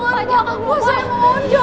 pak saya mohon jangan ya